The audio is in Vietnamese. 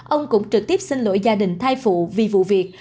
ông cũng trực tiếp xin lỗi gia đình thai phụ vì vụ việc